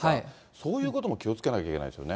そういうことも気をつけなきゃいけないですよね。